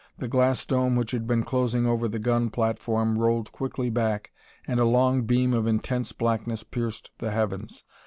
The glass dome which had been closing over the gun platform rolled quickly back and a long beam of intense blackness pierced the heavens.